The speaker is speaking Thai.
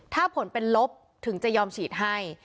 ถ้าผลเป็นลบถึงจะยอมฉีดให้